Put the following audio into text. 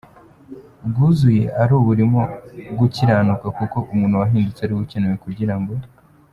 bwuzuye ari uburimo gukiranuka kuko umuntu wahindutse ariwe ukenewe kugirango.